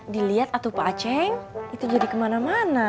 diliat atuh pak ceng itu jadi kemana mana